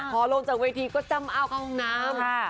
พอลงจากเวทีก็จ้ำอ้าวเข้าห้องน้ำ